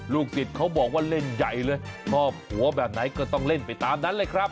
ศิษย์เขาบอกว่าเล่นใหญ่เลยครอบครัวแบบไหนก็ต้องเล่นไปตามนั้นเลยครับ